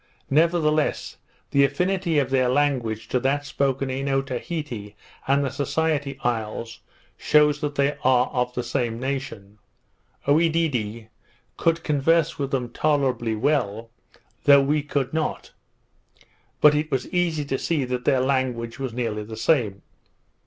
Nevertheless, the affinity of their language to that spoken in Otaheite and the Society Isles, shews that they are of the same nation. Oedidee could converse with them tolerably well, though we could not; but it was easy to see that their language was nearly the same.